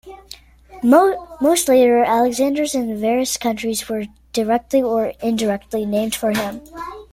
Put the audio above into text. Most later Alexanders in various countries were directly or indirectly named for him.